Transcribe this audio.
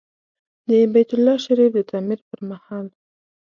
د بیت الله شریف د تعمیر پر مهال.